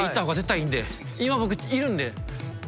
今僕いるんで。